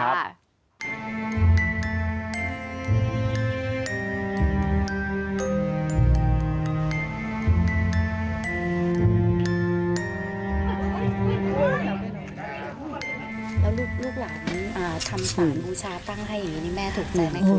แล้วลูกหลังทำฝากูชาติตั้งให้อย่างนี้